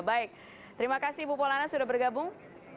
baik terima kasih ibu polana sudah bergabung